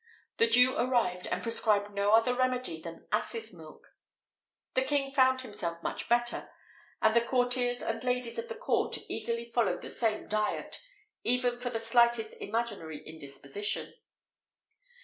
The Jew arrived, and prescribed no other remedy than asses' milk. The king found himself much better, and the courtiers and ladies of the court eagerly followed the same diet, even for the slightest imaginary indisposition.